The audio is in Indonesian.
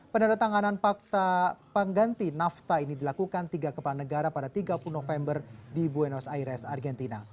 penandatanganan fakta pengganti nafta ini dilakukan tiga kepala negara pada tiga puluh november di buenos aires argentina